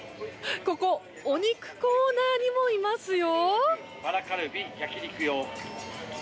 ここ、お肉コーナーにもいますよ。